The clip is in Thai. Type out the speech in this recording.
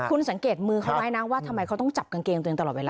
คุณสังเกตมือเขาไว้นะว่าทำไมเขาต้องจับกางเกงตัวเองตลอดเวลา